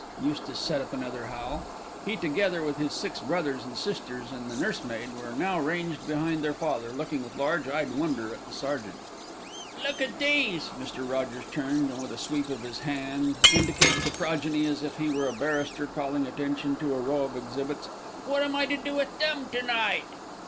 Eustace set up another howl. He, together with his six brothers and sisters and the nursemaid, were now ranged behind their father, looking with large eyed wonder at the sergeant. "Look at these!" Mr. Rogers turned and with a sweep of his hand indicated his progeny as if he were a barrister calling attention to a row of exhibits. "What am I to do with them to night?"